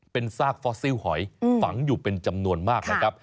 เป็นซากฟอสซิลหอยฝังอยู่เป็นจำนวนมากนะครับ